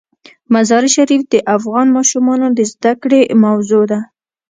مزارشریف د افغان ماشومانو د زده کړې موضوع ده.